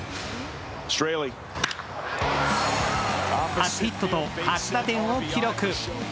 初ヒットと初打点を記録。